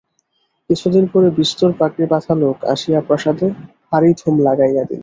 কিছুদিন পরে বিস্তর পাগড়ি-বাঁধা লোক আসিয়া প্রাসাদে ভারী ধুম লাগাইয়া দিল।